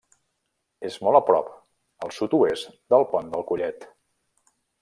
És molt a prop, al sud-oest, del Pont del Collet.